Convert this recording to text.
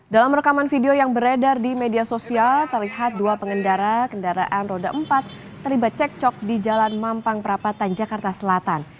dalam rekaman video yang beredar di media sosial terlihat dua pengendara kendaraan roda empat terlibat cek cok di jalan mampang perapatan jakarta selatan